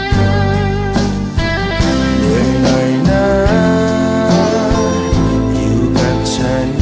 เหนื่อยหน่อยนะหิวกับฉัน